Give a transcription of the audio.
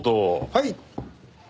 はい。